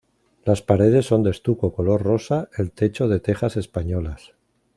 Las paredes son de estuco color rosa, el techo de tejas españolas.